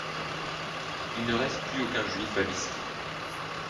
Il ne reste plus aucun juif a Višķi.